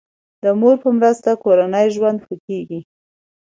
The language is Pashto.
د مور په مرسته کورنی ژوند ښه کیږي.